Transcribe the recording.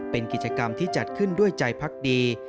เป็นกิจกรรมที่จัดขึ้นด้วยใจพักดี